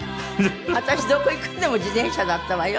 私どこへ行くんでも自転車だったわよ。